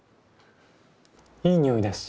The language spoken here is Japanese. いい匂いだし。